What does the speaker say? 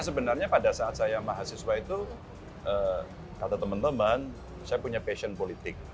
sebenarnya pada saat saya mahasiswa itu kata teman teman saya punya passion politik